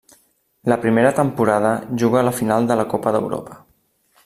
La primera temporada juga la final de la Copa d'Europa.